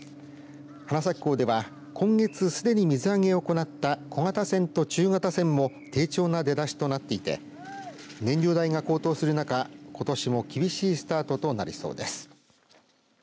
花咲港では今月すでに水揚げを行った小型船と中型船も低調な出だしとなっていて燃料代が高騰する中、ことしも厳しいスタートとなりそうです。